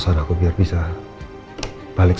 silahkan mbak mbak